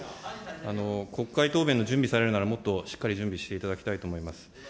国会答弁の準備されるなら、もっとしっかり準備していただきたいと思います。